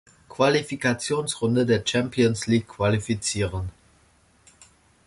Qualifikationsrunde der Champions League qualifizieren.